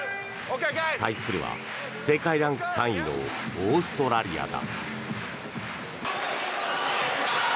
対するは世界ランク３位のオーストラリアだ。